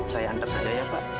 saya antar saja ya pak